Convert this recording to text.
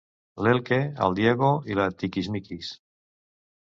L'Elke, el Diego i la Tiquismiquis.